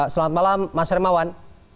selamat malam mas hermawan